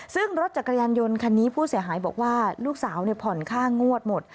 ซึ่งรถจักรยานยนต์คันนี้ผู้เสียหายบอกว่าลูกสาวผ่อนค่างวดหมด